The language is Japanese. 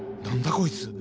こいつ。